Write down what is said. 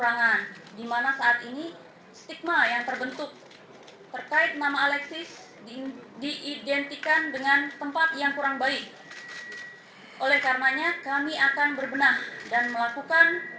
nah dalam asas itu itu disebutkan bahwa ada asas persamaan perlakuan